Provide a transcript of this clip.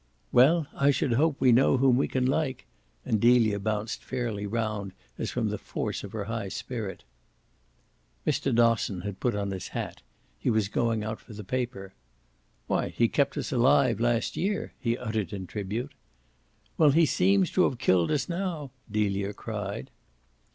"Well, I should hope we can know whom we like!" and Delia bounced fairly round as from the force of her high spirit. Mr. Dosson had put on his hat he was going out for the paper. "Why he kept us alive last year," he uttered in tribute. "Well, he seems to have killed us now," Delia cried.